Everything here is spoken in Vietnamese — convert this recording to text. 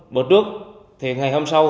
bữa trước thì ngày hôm sau